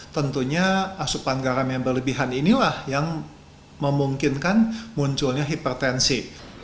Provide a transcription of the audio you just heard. tentunya asupan garam yang berlebihan inilah yang memungkinkan munculnya hipertensi